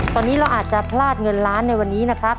ตอนนี้เราอาจจะพลาดเงินล้านในวันนี้นะครับ